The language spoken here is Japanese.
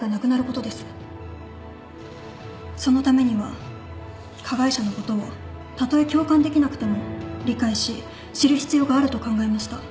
そのためには加害者のことをたとえ共感できなくても理解し知る必要があると考えました。